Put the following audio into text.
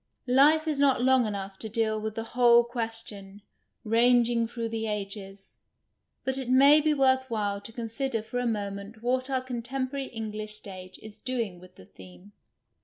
Life is not long enough to deal with the whole question, rang ing through the ages, but it may be worth while to consider for a moment what our contemporary Eng lish stage is doing with the theme.